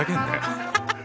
アハハハ。